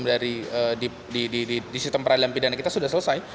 dari di sistem peradilan pidana kita sudah selesai